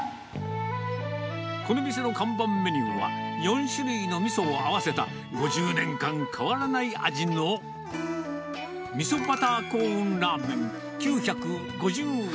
この店の看板メニューは４種類のみそを合わせた、５０年間変わらない味のみそバターコーンラーメン９５０円。